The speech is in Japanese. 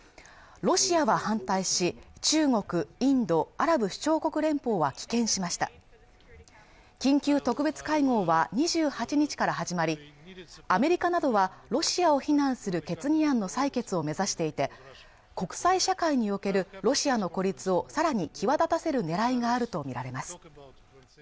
ロシアは反対し中国、インド、アラブ首長国連邦は棄権しました緊急特別会合は２８日から始まりアメリカなどはロシアを非難する決議案の採決を目指していて国際社会におけるロシアの孤立をさらに際立たせるねらいがあると見られます